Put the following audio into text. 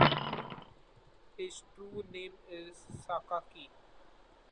His true name is Sakaki.